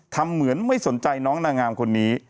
ทำเหมือนไม่สนใจน้องนางงามคนนี้